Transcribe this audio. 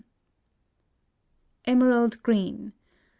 EMERALD GREEN.